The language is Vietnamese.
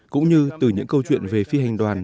cũng như từ những câu chuyện về phi hành đoàn